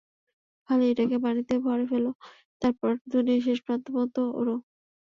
খালি এটাকে পানিতে ভরে ফেলো, তারপর দুনিয়ার শেষ প্রান্ত পর্যন্ত ওড়ো।